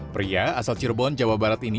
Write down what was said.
pria asal cirebon jawa barat ini